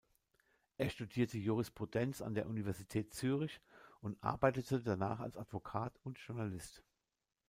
Er studierte Jurisprudenz an der Universität Zürich und arbeitete danach als Advokat und Journalist.